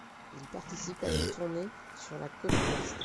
Il participe à des tournées sur la côte ouest.